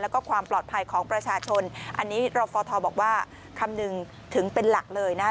แล้วก็ความปลอดภัยของประชาชนอันนี้รอฟทบอกว่าคำนึงถึงเป็นหลักเลยนะฮะ